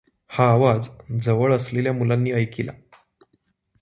हा आवाज जवळ असलेल्या मुलांनी ऐकिला.